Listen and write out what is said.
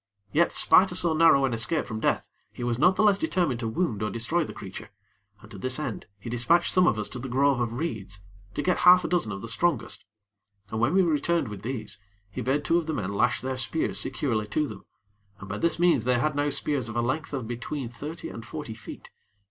Yet, spite of so narrow an escape from death, he was not the less determined to wound or destroy the creature, and, to this end, he dispatched some of us to the grove of reeds to get half a dozen of the strongest, and when we returned with these, he bade two of the men lash their spears securely to them, and by this means they had now spears of a length of between thirty and forty feet.